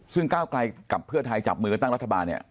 ซึ่งก้าวไกลกับเพื่อไทยจับมือกันตั้งรัฐบาลเนี่ย